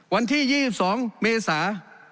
วันที่๒๒เมษา